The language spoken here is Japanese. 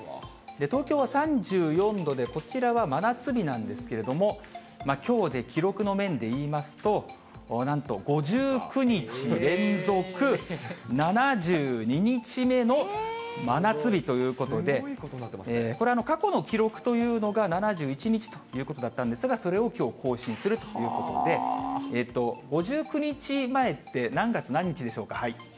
東京は３４度で、こちらは真夏日なんですけれども、きょうで記録の面でいいますと、なんと５９日連続７２日目の真夏日ということで、これ、過去の記録というのが７１日ということだったんですが、それをきょう、更新するということで、５９日前って何月何日でしょうか。